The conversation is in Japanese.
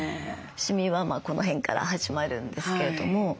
シミはこの辺から始まるんですけれども。